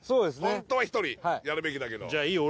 ホントは１人やるべきだけどじゃいいよ